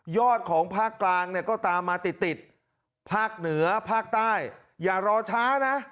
อดของภาคกลางเนี่ยก็ตามมาติดติดภาคเหนือภาคใต้อย่ารอช้านะ